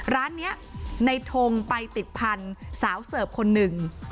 ร้านนี้ในทงไปติดพันธุ์สาวเสิร์ฟคนหนึ่ง